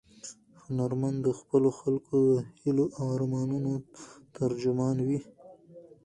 هنرمند د خپلو خلکو د هیلو او ارمانونو ترجمان وي.